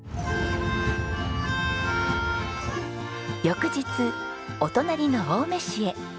翌日お隣の青梅市へ。